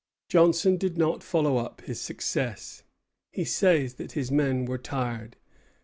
Johnson did not follow up his success. He says that his men were tired.